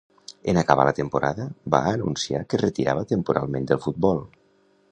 En acabar la temporada, va anunciar que es retirava temporalment del futbol.